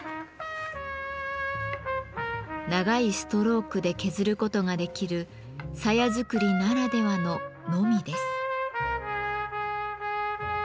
長いストロークで削ることができる鞘作りならではののみです。